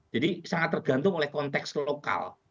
jadi sangat tergantung oleh konteks lokal